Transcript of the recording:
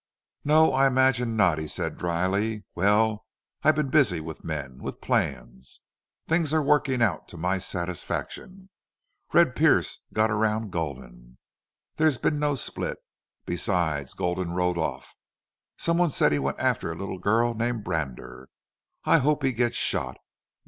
"No, I imagine not," he said, dryly. "Well, I've been busy with men with plans. Things are working out to my satisfaction. Red Pearce got around Gulden. There's been no split. Besides, Gulden rode off. Someone said he went after a little girl named Brander. I hope he gets shot....